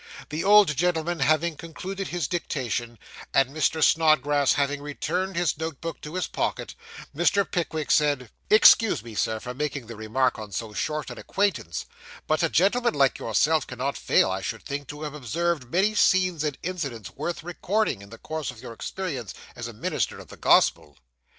The old gentleman having concluded his dictation, and Mr. Snodgrass having returned his note book to his pocket, Mr. Pickwick said 'Excuse me, sir, for making the remark on so short an acquaintance; but a gentleman like yourself cannot fail, I should think, to have observed many scenes and incidents worth recording, in the course of your experience as a minister of the Gospel.